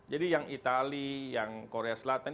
jadi yang itali yang korea selatan